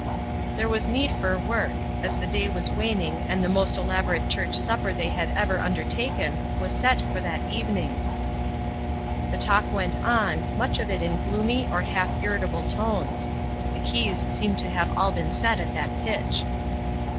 There was need for work, as the day was waning and the most elaborate church supper they had ever undertaken was set for that even ing. The talk went on, much of it in gloomy or A WOMAN OF HER WORD 359 half irritable tones; the keys seemed to have all been set at that pitch.